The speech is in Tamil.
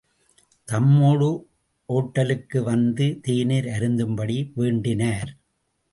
தம்மோடு ஒட்டலுக்கு வந்து தேநீர் அருந்தும்படி வேண்டினார்.